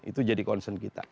itu jadi concern kita